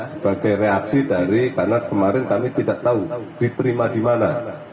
sebagai reaksi dari karena kemarin kami tidak tahu diterima di mana